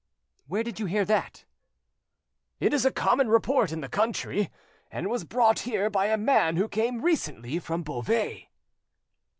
"Where did you hear that?" "It is a common report in the country, and was brought here by a man who came recently from Beauvais."